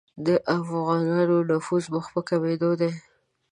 د افغانانو نفوذ مخ په کمېدلو دی.